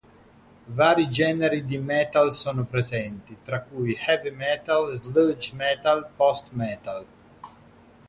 Vari generi di metal sono presenti, tra cui heavy metal, sludge metal, post-metal.